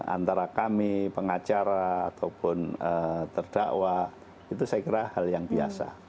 antara kami pengacara ataupun terdakwa itu saya kira hal yang biasa